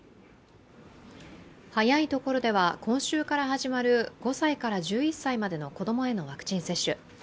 早いところでは今週から始まる５歳から１１歳までの子供へのワクチン接種。